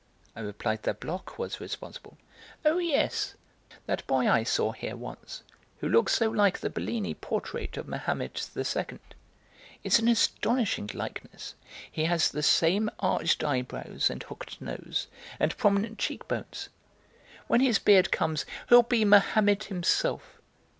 I replied that Bloch was responsible. "Oh, yes, that boy I saw here once, who looks so like the Bellini portrait of Mahomet II. It's an astonishing likeness; he has the same arched eyebrows and hooked nose and prominent cheekbones. When his beard comes he'll be Mahomet himself.